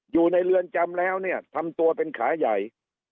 อยู่ในเรือนจำแล้วเนี่ยทำตัวเป็นขาใหญ่